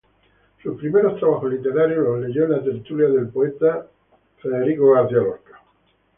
Sus primeros trabajos literarios los leyó en la tertulia del poeta Vicente W. Querol.